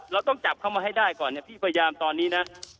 เราต้องจับเข้ามาให้ได้ก่อนเนี่ยพี่พยายามตอนนี้นะ